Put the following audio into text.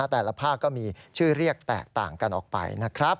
แต่ละภาคก็มีชื่อเรียกแตกต่างกันออกไปนะครับ